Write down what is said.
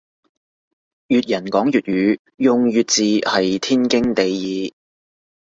粵人講粵語用粵字係天經地義